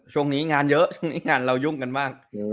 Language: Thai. ช่วงนี้งานเยอะงานเรายุ่งกันมาก